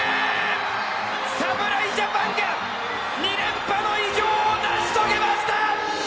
侍ジャパンが２連覇の偉業を成し遂げました！